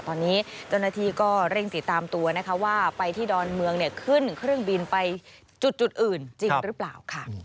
ตอนนี้เจ้าหน้าที่ก็เร่งติดตามตัวนะคะว่าไปที่ดอนเมืองขึ้นเครื่องบินไปจุดอื่นจริงหรือเปล่าค่ะ